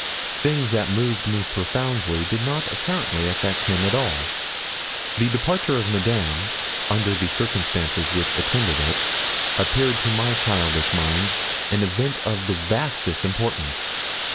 Things that moved me profoundly did not apparently affect him at all. The departure of Madame, under the circumstances which attended it, appeared to my childish mind an event of the vastest importance.